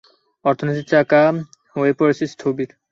অর্থনীতির চাকা হয়ে পড়েছে স্থবির।